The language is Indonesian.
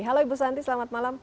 halo ibu santi selamat malam